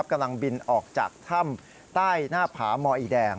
กำลังบินออกจากถ้ำใต้หน้าผามอีแดง